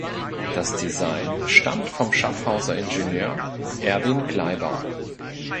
Das Design stammt vom Schaffhauser Ingenieur Erwin Klaiber.